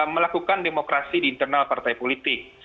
melakukan demokrasi di internal partai politik